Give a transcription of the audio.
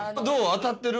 当たってる？